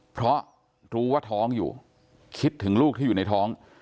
เพราะรู้ว่าท้องอยู่คิดถึงลูกที่อยู่ในท้อง